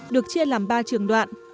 được chia làm ba trường đoạn